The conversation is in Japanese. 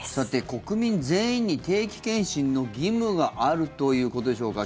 国民全員に定期検診の義務があるということでしょうか。